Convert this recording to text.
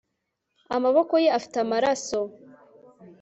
Amaboko ye afite amaraso